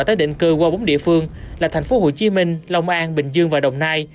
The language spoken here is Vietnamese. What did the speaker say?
tới định cư qua bóng địa phương là thành phố hồ chí minh lòng an bình dương và đồng nai